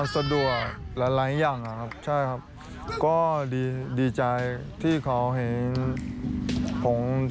ให้เคียงกันทุกคนให้ได้ครับ